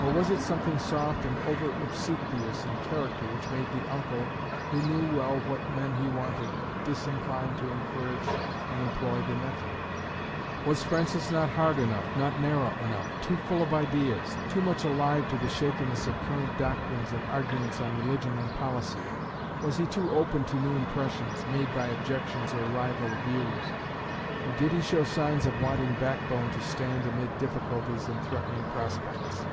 Or was it something soft and over obsequious in character which made the uncle, who knew well what men he wanted, disinclined to encourage and employ the nephew? Was Francis not hard enough, not narrow enough, too full of ideas, too much alive to the shakiness of current doctrines and arguments on religion and policy? Was he too open to new impressions, made by objections or rival views? Or did he show signs of wanting backbone to stand amid difficulties and threatening prospects?